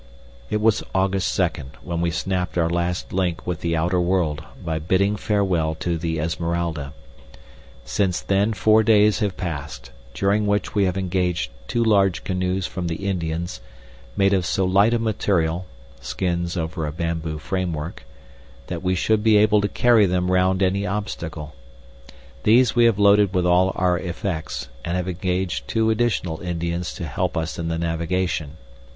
It was August 2nd when we snapped our last link with the outer world by bidding farewell to the Esmeralda. Since then four days have passed, during which we have engaged two large canoes from the Indians, made of so light a material (skins over a bamboo framework) that we should be able to carry them round any obstacle. These we have loaded with all our effects, and have engaged two additional Indians to help us in the navigation.